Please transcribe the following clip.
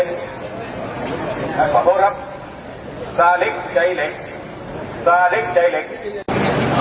ดูหน้าอย่างเป็นการหักษะนะครับ